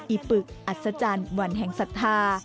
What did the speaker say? ปึกอัศจรรย์วันแห่งศรัทธา